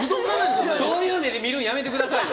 そういう目で見るのやめてくださいよ！